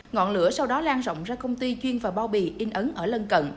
ngọn lửa sau đó lan rộng ra công ty chuyên và bao bì in ấn ở lân cận